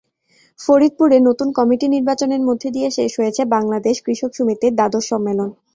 ফরিদপুরে নতুন কমিটি নির্বাচনের মধ্যে দিয়ে শেষ হয়েছে বাংলাদেশ কৃষক সমিতির দ্বাদশ সম্মেলন।